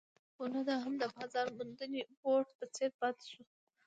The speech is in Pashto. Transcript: خو نه دا هم د بازار موندنې بورډ په څېر پاتې شو.